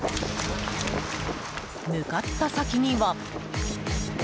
向かった先には。